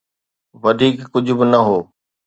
وڌيڪ ڪجهه به نه هو.